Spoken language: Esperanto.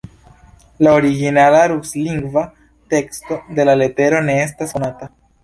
La originala, ruslingva teksto de la letero ne estas konata.